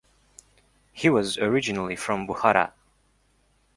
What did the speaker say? He was originally from Bukhara.